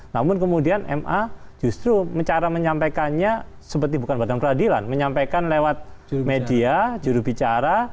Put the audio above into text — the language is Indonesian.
namun kemudian ma justru cara menyampaikannya seperti bukan badan peradilan menyampaikan lewat media jurubicara